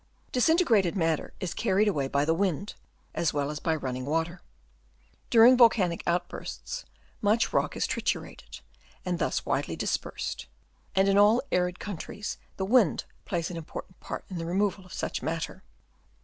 Disintegrated matter is carried away by the wind as well as by running water. During volcanic outbursts much rock is triturated and is thus widely dispersed; and in all arid countries the wind plays an im portant part in the removal of such matter.